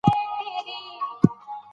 تاسو باید خپله خور په احترام یاده کړئ.